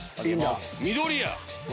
緑や！